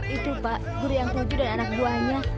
itu pak guru yang tujuh dan anak buahnya